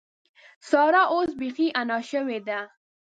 سارا اوس بېخي انا شوې ده.